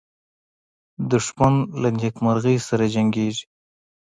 دښمن له نېکمرغۍ سره جنګیږي